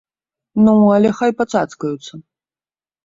Ну, але хай пацацкаюцца!